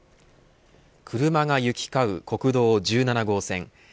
車が行きかう国道１７号線。